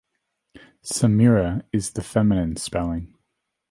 "Samira" is the feminine spelling.